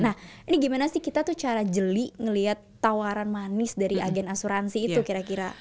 nah ini gimana sih kita tuh cara jeli ngeliat tawaran manis dari agen asuransi gitu ya